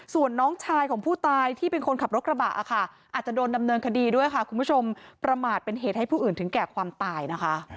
ส่วนน้องชายของผู้ตายที่เป็นคนขับรถกระบะค่ะอาจจะโดนดำเนินคดีด้วยค่ะคุณผู้ชมประมาทเป็นเหตุให้ผู้อื่นถึงแก่ความตายนะคะ